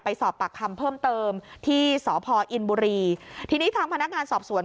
สอบปากคำเพิ่มเติมที่สพอินบุรีทีนี้ทางพนักงานสอบสวน